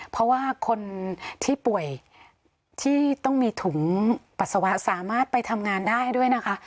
เพราะว่าคนที่ป่วยที่ต้องมีถุงปัสสาวะสามารถไปทำงานได้ด้วยนะคะ